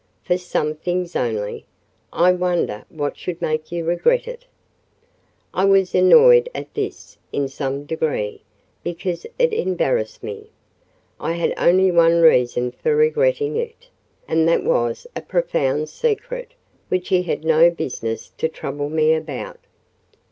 "For some things only—I wonder what should make you regret it?" I was annoyed at this in some degree; because it embarrassed me: I had only one reason for regretting it; and that was a profound secret, which he had no business to trouble me about.